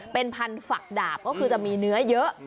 เป็นพันธุ์ฝักดาบก็คือจะมีเนื้อเยอะ